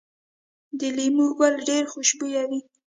د لیمو ګل ډیر خوشبويه وي؟